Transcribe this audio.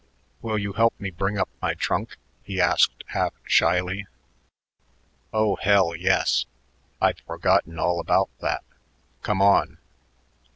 "Will you help me bring up my trunk?" he asked half shyly. "Oh, hell, yes. I'd forgotten all about that. Come on."